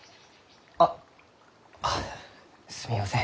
あ。ああすみません。